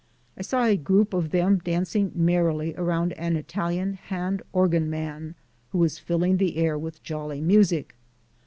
I saw a group of them dancing merrily around an Italian hand organ man who was filling the air with jolly music.